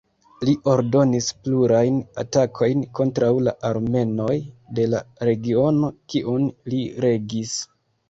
Li ordonis plurajn atakojn kontraŭ la armenoj de la regiono kiun li regis.